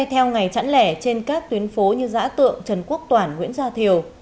theo ngày chẵn lẻ trên các tuyến phố như giã tượng trần quốc toản nguyễn gia thiều